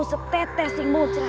seteteh sing mudras